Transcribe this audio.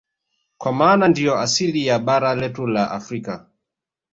Kwa maana ndiyo asili ya bara letu la Afrika